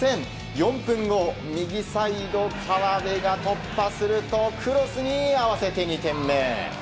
４分後右サイド、川辺が突破するとクロスに合わせて２点目。